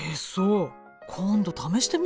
今度試してみようかしら。